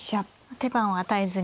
手番を与えずに。